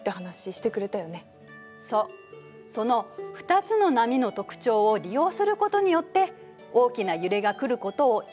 そうその２つの波の特徴を利用することによって大きな揺れが来ることを予想できるの。